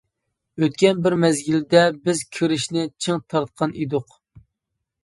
ئۆتكەن بىر مەزگىلدە، بىز كىرىچنى چىڭ تارتقان ئىدۇق.